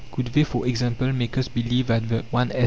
Could they, for example, make us believe that the 1s.